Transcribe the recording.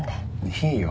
いいよ。